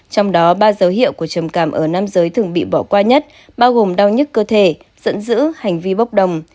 trong đó ba dấu hiệu của trầm cảm ở nam giới thường bị bỏ qua nhất bao gồm đau nhức cơ thể dẫn giữ hành vi bốc đồng